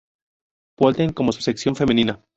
Pölten, como su sección femenina.